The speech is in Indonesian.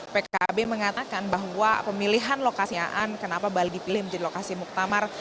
pkb mengatakan bahwa pemilihan lokasinya an kenapa bali dipilih menjadi lokasi muktamar